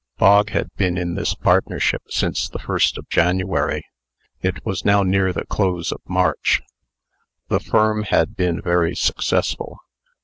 Bog had been in this partnership since the first of January. It was now near the close of March. The firm had been very successful.